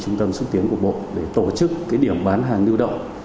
công ty cổ phần xúc tiến của bộ để tổ chức cái điểm bán hàng lưu động